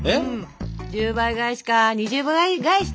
１０倍返しか２０倍返しでもいいな。